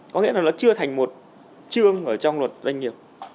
có nghĩa là nó chưa thành một chương ở trong luật doanh nghiệp